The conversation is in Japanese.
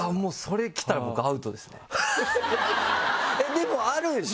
でもあるでしょ？